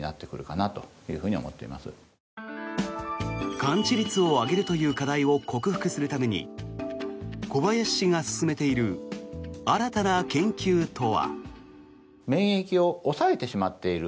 完治率を上げるという課題を克服するために小林氏が進めている新たな研究とは。